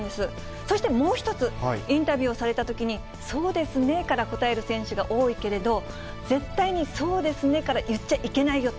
そしてもう一つ、インタビューをされたときに、そうですねから答える選手が多いけれど、絶対にそうですねから言っちゃいけないよと。